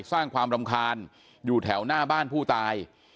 สร้างความรำคาญอยู่แถวหน้าบ้านผู้ตาย